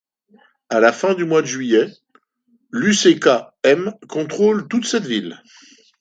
À la fin du mois de juillet, l'UÇK-M contrôle toute cette ville.